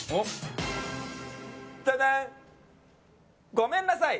ごめんなさい！